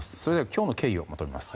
今日の経緯をまとめます。